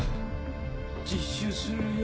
自首するよ